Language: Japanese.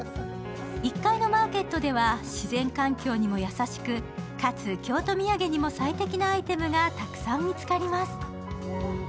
１階のマーケットでは自然環境にも優しく、かつ、京都土産にも最適なアイテムがたくさん見つかります。